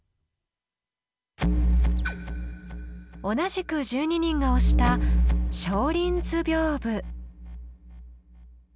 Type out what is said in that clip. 同じく１２人が推した「松林図屏風」。